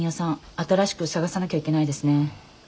新しく探さなきゃいけないですね。